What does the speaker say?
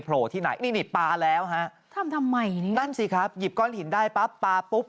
โปรที่ไหนปลาแล้วทำทำไมนั่นสิครับหยิบก้อนหญินได้ปลาปุ๊บ